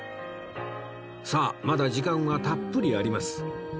さあまだ時間はたっぷりあります